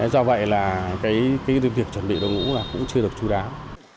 do vậy là cái việc chuẩn bị đội ngũ là cũng chưa được chú đáo